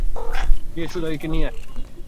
গিয়ে সুদালাইকে নিয়ে আয়।